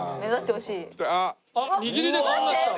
あっ握りでこんな来た。